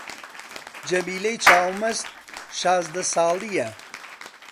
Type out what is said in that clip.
جەمیلەی چاو مەست شازدە ساڵی یە